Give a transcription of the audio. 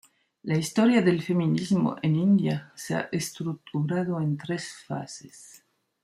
La historia del feminismo en India se ha estructurado en tres fases.